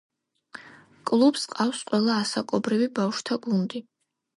კლუბს ჰყავს ყველა ასაკობრივი ბავშვთა გუნდი.